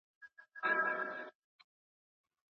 د غم او پاتا پر کمبله کښېناوه